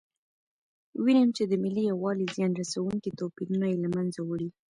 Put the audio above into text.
وینم چې د ملي یووالي زیان رسونکي توپیرونه یې له منځه وړي.